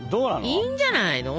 いいんじゃないの？